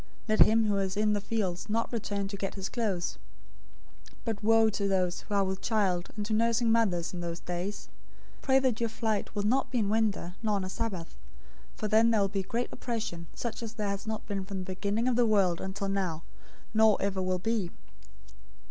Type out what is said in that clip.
024:018 Let him who is in the field not return back to get his clothes. 024:019 But woe to those who are with child and to nursing mothers in those days! 024:020 Pray that your flight will not be in the winter, nor on a Sabbath, 024:021 for then there will be great oppression, such as has not been from the beginning of the world until now, no, nor ever will be.